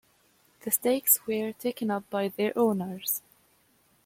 The stakes were taken up by their owners.